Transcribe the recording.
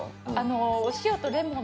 お塩とレモン。